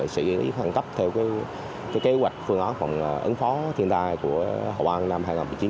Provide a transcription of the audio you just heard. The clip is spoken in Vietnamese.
xử lý hoàn cấp theo cái kế hoạch phương án phòng ứng phó thiên tai của hồ an năm hai nghìn một mươi chín